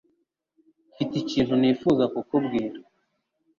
Mfite ikintu nifuza kukubwira